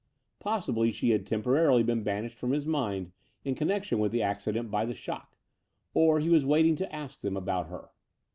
Possibly she had temporarily been banished from his mind in coimection with the acci dent by the shock; or he was waiting to ask them about her.